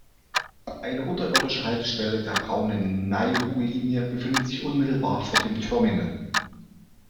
Eine unterirdische Haltestelle der braunen Neihu-Linie befindet sich unmittelbar vor dem Terminal.